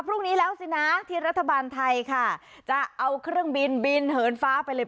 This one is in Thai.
พรุ่งนี้แล้วสินะที่รัฐบาลไทยค่ะจะเอาเครื่องบินบินเหินฟ้าไปเลย